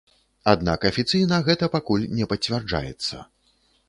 Аднак афіцыйна гэта пакуль не пацвярджаецца.